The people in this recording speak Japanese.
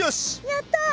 やった！